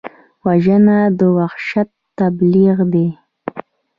وژنه د وحشت تبلیغ دی